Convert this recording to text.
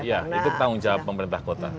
iya itu tanggung jawab pemerintah kota